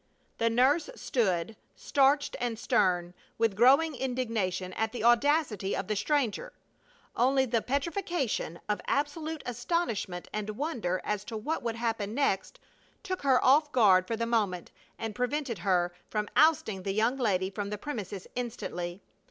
The nurse stood, starched and stern, with growing indignation at the audacity of the stranger. Only the petrification of absolute astonishment, and wonder as to what would happen next, took her off her guard for the moment and prevented her from ousting the young lady from the premises instantly.